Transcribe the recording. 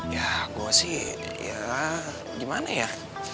ya gue sih ya gimana ya